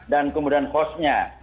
dan kemudian host nya